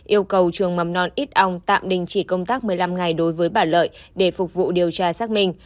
yêu cầu trường mầm non ít ong tạm đình chỉ công tác một mươi năm ngày đối với bà lợi để phục vụ điều tra xác minh